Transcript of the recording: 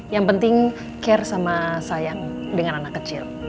yang penting care sama sayang dengan anak kecil